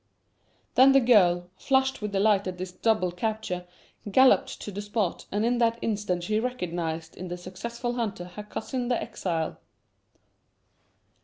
Then the girl, flushed with delight at this double capture, galloped to the spot, and in that instant she recognized in the successful hunter her cousin the exile.